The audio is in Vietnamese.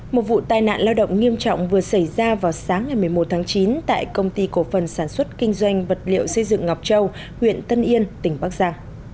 một vụ tai nạn lao động nghiêm trọng vừa xảy ra vào sáng ngày một mươi một tháng chín tại công ty cổ phần sản xuất kinh doanh vật liệu xây dựng ngọc châu huyện tân yên tỉnh bắc giang